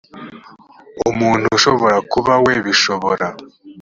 by umuntu ushobora kuba we bishobora